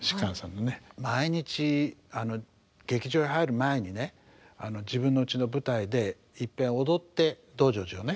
毎日劇場へ入る前にね自分のうちの舞台でいっぺん踊って「道成寺」をね。